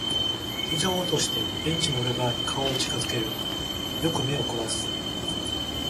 膝を落としてベンチの裏側に顔を近づける。よく目を凝らす。